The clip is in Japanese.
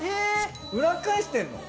裏っ返してんの？